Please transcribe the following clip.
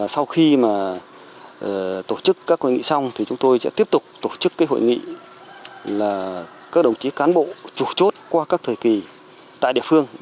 sau khi mà tổ chức các hội nghị xong thì chúng tôi sẽ tiếp tục tổ chức hội nghị là các đồng chí cán bộ chủ chốt qua các thời kỳ tại địa phương